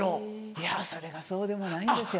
いやそれがそうでもないんですよ。